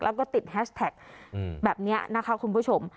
แล้วก็ติดแฮชแท็กแบบนี้นะคะคุณผู้ชม